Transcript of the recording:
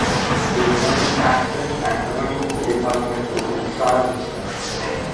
The nearest Accident and Emergency Department is in Cirencester.